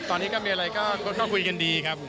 ตอนนี้ก็มีอะไรก็คุยกันดีครับ